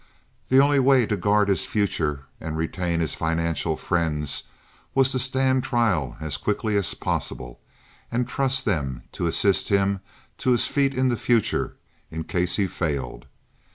The only way to guard his future and retain his financial friends was to stand trial as quickly as possible, and trust them to assist him to his feet in the future in case he failed.